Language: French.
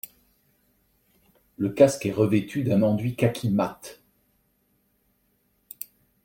Le casque est revêtu d'un enduit kaki mat.